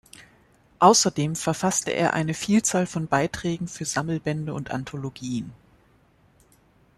Außerdem verfasste er eine Vielzahl von Beiträgen für Sammelbände und Anthologien.